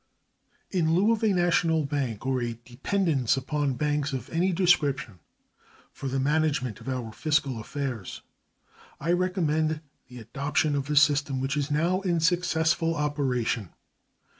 In lieu of a national bank or a dependence upon banks of any description for the management of our fiscal affairs, I recommended the adoption of the system which is now in successful operation.